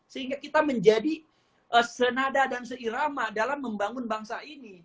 sehingga kita menjadi senada dan seirama dalam membangun bangsa ini